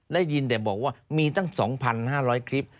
ได้ยินแต่บอกว่ามีตั้ง๒๕๐๐คลิป